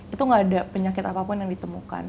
itu gak ada penyakit apapun yang ditemukan